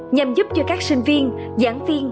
nhằm giúp cho các sinh viên giảng viên